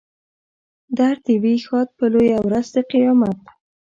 در دې وي ښاد په لویه ورځ د قیامت.